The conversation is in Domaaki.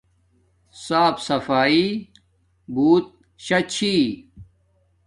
صاف سفایݵ بوت شا چھی